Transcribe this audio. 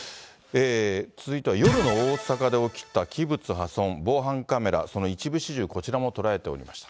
続いては夜の大阪で起きた器物破損、防犯カメラ、その一部始終、こちらも捉えておりました。